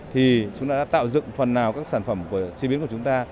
thì chúng ta đã tạo dựng phần nào các sản phẩm chế biến của chúng ta